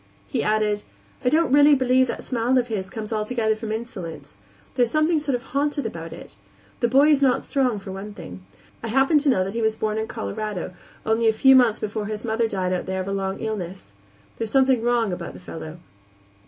He added: "I don't really believe that smile of his comes altogether from insolence; there's something sort of haunted about it. The boy is not strong, for one thing. I happen to know that he was born in Colorado, only a few months before his mother died out there of a long illness. There is something wrong about the fellow."